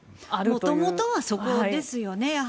元々はそこですよね。